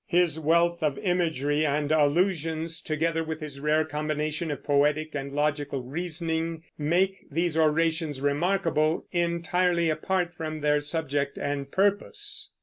His wealth of imagery and allusions, together with his rare combination of poetic and logical reasoning, make these orations remarkable, entirely apart from their subject and purpose.